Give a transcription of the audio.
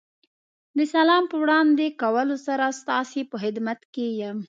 د سلام په وړاندې کولو سره ستاسې په خدمت کې یم.